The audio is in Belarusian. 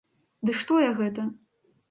Ды што я гэта!